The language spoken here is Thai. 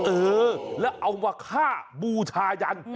เออแล้วเอามาฆ่าบูชายัน